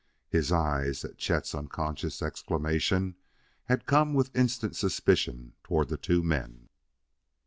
His eyes, at Chet's unconscious exclamation, had come with instant suspicion toward the two men.